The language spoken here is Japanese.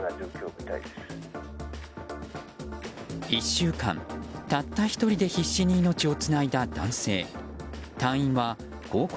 １週間たった１人で必死に命をつないだ男性。